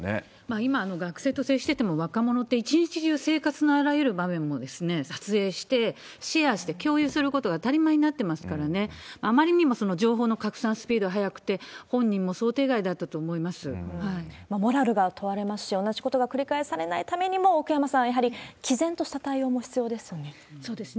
今、学生と接していても若者って、一日中、生活のあらゆる場面も撮影して、シェアして共有することが当たり前になってますからね、あまりにも情報の拡散スピードが速くて、モラルが問われますし、同じことが繰り返されないためにも、奥山さん、やはりきぜんとした対応も必要ですよね。